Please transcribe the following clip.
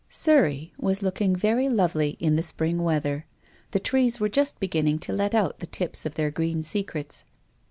Surrey was looking very lovely in the spring weather. The trees were just beginning to let out the tips of their green secrets.